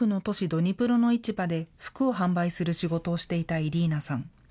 ドニプロの市場で、服を販売する仕事をしていたイリーナさん。